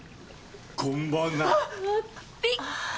こんばんは。